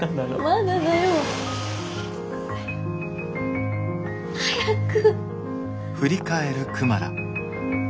まだだよ。早く。